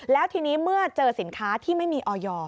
แล้วทีนี้เมื่อเจอสินค้าที่ไม่มีออย